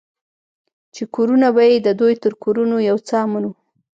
چې کورونه به يې د دوى تر کورونو يو څه امن وو.